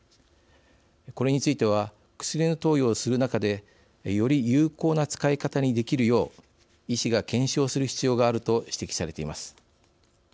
これについては薬の投与をする中でより有効な使い方にできるよう医師が検証する必要があると指摘されています。